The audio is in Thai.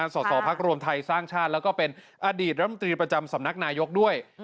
สอสอพักรวมไทยสร้างชาติแล้วก็เป็นอดีตรัฐมนตรีประจำสำนักนายกด้วย